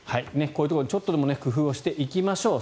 こういうところ、ちょっとでも工夫していきましょう。